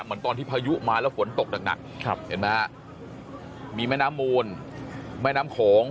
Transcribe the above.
เหมือนตอนที่พายุมาแล้วฝนตกหนักเห็นไหมฮะมีแม่น้ำมูลแม่น้ำโขง